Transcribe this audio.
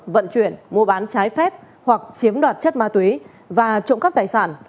vận chuyển mua bán trái phép hoặc chiếm đoạt chất ma túy và trộm cắp tài sản